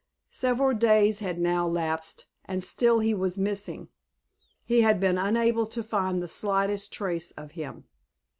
Several days had now elapsed, and still he was missing. He had been unable to find the slightest trace of him.